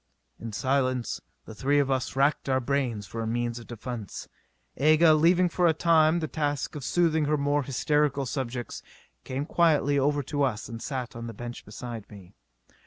In silence the three of us racked our brains for a means of defence. Aga, leaving for a time the task of soothing her more hysterical subjects, came quietly over to us and sat on the bench beside me.